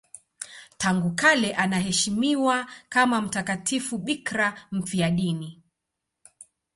Tangu kale anaheshimiwa kama mtakatifu bikira mfiadini.